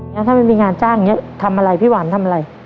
แล้วถ้ามันมีงานจ้างอย่างนี้พี่หวานทำอะไร